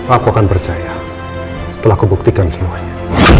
aku akan percaya setelah aku buktikan semuanya